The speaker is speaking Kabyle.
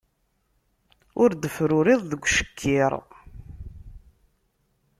Ur d-tefruriḍ deg ucekkiṛ